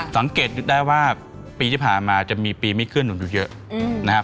สังเกตได้ว่าปีที่ผ่านมาจะมีปีไม่เคลื่อนหนุนอยู่เยอะนะครับ